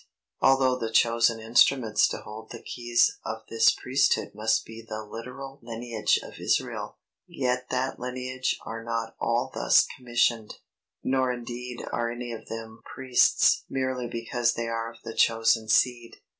Although the chosen instruments to hold the keys of this Priesthood must be the literal lineage of Israel, yet that lineage are not all thus commissioned, nor indeed are any of them Priests merely because they are of the chosen seed.